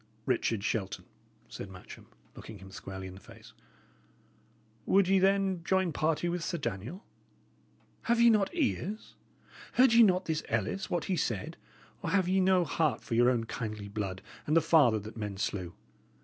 "Richard Shelton," said Matcham, looking him squarely in the face, "would ye, then, join party with Sir Daniel? Have ye not ears? Heard ye not this Ellis, what he said? or have ye no heart for your own kindly blood and the father that men slew?